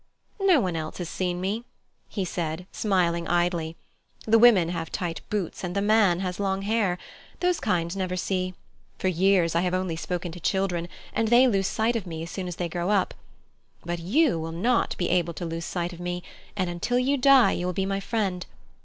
"No one else has seen me," he said, smiling idly. "The women have tight boots and the man has long hair. Those kinds never see. For years I have only spoken to children, and they lose sight of me as soon as they grow up. But you will not be able to lose sight of me, and until you die you will be my friend.